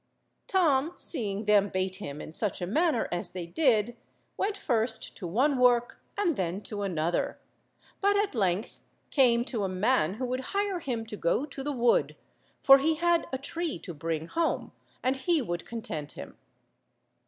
Tom seeing them bate him in such a manner as they did, went first to one work and then to another, but at length came to a man who would hire him to go to the wood, for he had a tree to bring home, and he would content him.